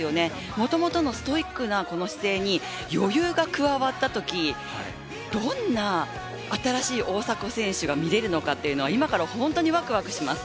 もともとのストイックな姿勢に余裕が加わったときどんな新しい大迫選手が見れるのか今から本当にワクワクします。